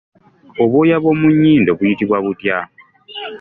Obw'oya bw’omu nyindo buyitibwa butya?